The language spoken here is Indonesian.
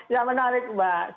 ya menarik mbak